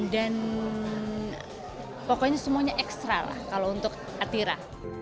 dan pokoknya semuanya ekstra lah kalau untuk atira